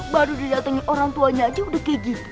baru di jatuhin orang tuanya aja udah kayak gitu